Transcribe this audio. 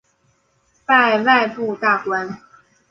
拜外部大官。